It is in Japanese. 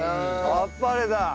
あっぱれだ！